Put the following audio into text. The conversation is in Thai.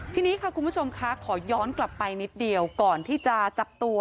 ทีนี้ค่ะคุณผู้ชมคะขอย้อนกลับไปนิดเดียวก่อนที่จะจับตัว